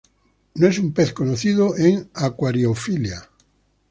No es un pez conocido en acuariofilia.